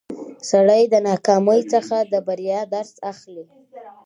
سړی د ناکامۍ څخه د بریا درس اخلي